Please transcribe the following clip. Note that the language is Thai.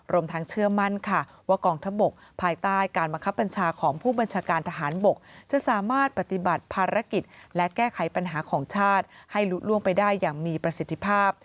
รวมทั้งเชื่อมั่นค่ะว่ากองทัพบกภายใต้การบังคับบัญชาของผู้บัญชาการทหารบกจะสามารถปฏิบัติภารกิจและแก้ไขปัญหาของชาติให้ลุล่วงไปได้อย่างมีประสิทธิภาพ